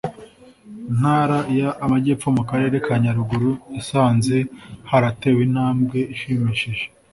ntara y amajyepfo mu karere ka nyaruguru yasanze haratewe intambwe ishimishije